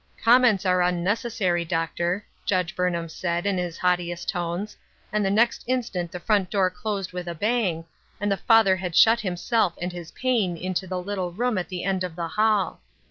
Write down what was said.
" Comments are unnecessary, Doctor," Judge Burnham said, in his haughtiest tones, and the next instant the front door closed with a bang, and the father had shut himself and his pain into the little room at the end of the hall.